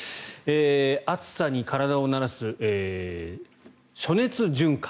暑さに体を慣らす、暑熱順化。